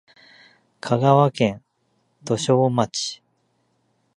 香川県土庄町